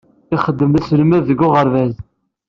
Ixeddem d aselmad deg uɣerbaz.